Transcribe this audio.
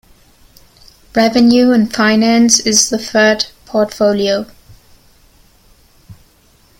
Revenue and Finance is the third portfolio.